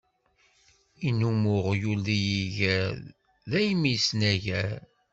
Innum uɣyul deg yiger, dayem isnagar.